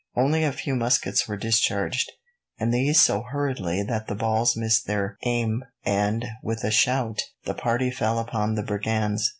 Only a few muskets were discharged, and these so hurriedly that the balls missed their aim, and, with a shout, the party fell upon the brigands.